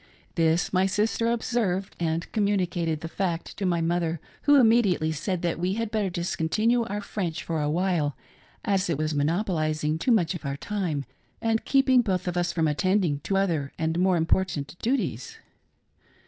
This my sister observed, and communicated the fact to my mother, who immediately said that we had better discontinue our French for awhile, as it was monopolizing too much of our time, and keeping both of us from attending to other and more important duties.